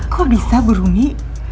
kok bisa bu rumi